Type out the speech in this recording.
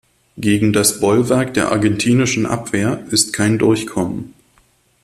Gegen das Bollwerk der argentinischen Abwehr ist kein Durchkommen.